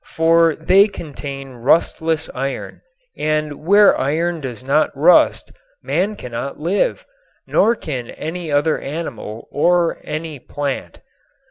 For they contain rustless iron, and where iron does not rust man cannot live, nor can any other animal or any plant.